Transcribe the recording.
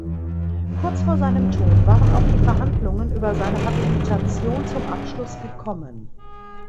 Kurz vor seinem Tod waren auch die Verhandlungen über seine Habilitation zum Abschluss gekommen.